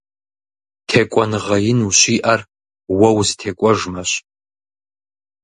ТекӀуэныгъэ ин ущиӀэр уэ узытекӀуэжмэщ.